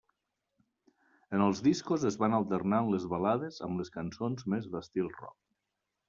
En els discos es van alternant les balades amb les cançons més d'estil Rock.